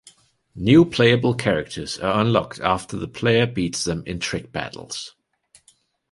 New playable characters are unlocked after the player beats them in trick battles.